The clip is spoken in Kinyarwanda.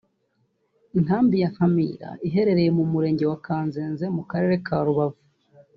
Inkambi ya Nkamira iherereye mu Murenge wa Kanzenze mu karere ka Rubavu